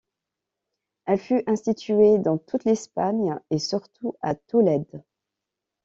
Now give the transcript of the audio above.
Elle fut instituée dans toute l'Espagne, et surtout à Tolède.